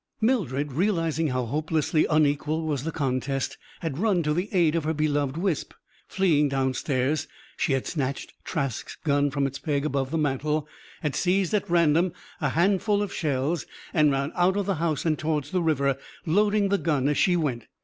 Mildred, realising how hopelessly unequal was the contest, had run to the aid of her beloved Wisp. Fleeing downstairs, she had snatched Trask's gun from its peg above the mantel, had seized at random a handful of shells; and ran out of the house and towards the river, loading the gun as she went.